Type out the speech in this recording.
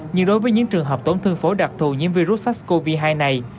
nhưng đối với những trường hợp tổn thương phổi đặc thù nhiễm virus sars cov hai này